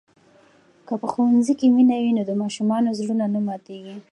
که په ښوونځي کې مینه وي نو د ماشومانو زړونه نه ماتېږي.